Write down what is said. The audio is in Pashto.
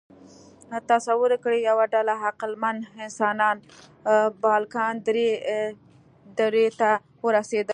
تصور وکړئ، یوه ډله عقلمن انسانان بالکان درې ته ورسېدل.